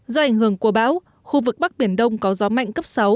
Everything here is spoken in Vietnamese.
do ảnh hưởng của bão khu vực bắc biển đông có gió mạnh cấp sáu